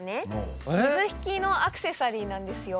水引のアクセサリーなんですよ。